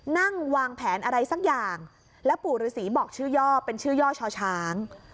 นั่งวางแผนอะไรสักอย่างแล้วปู่ฤษีบอกชื่อย่อเป็นชื่อย่อช่อช้าง